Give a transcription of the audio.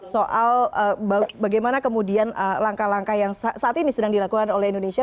soal bagaimana kemudian langkah langkah yang saat ini sedang dilakukan oleh indonesia